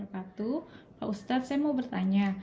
pak ustadz saya mau bertanya